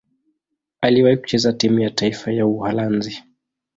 Aliwahi kucheza timu ya taifa ya Uholanzi.